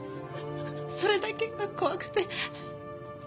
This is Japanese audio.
それだけが怖くて。